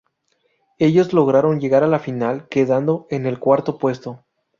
Ellos lograron llegar a la final, quedando en el cuarto puesto.